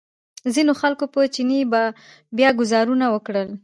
ځینو خلکو په چیني بیا ګوزارونه وکړل.